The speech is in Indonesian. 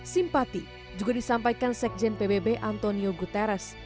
simpati juga disampaikan sekjen pbb antonio guterres